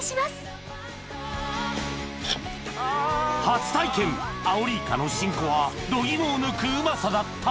初体験アオリイカの新子は度肝を抜くうまさだった！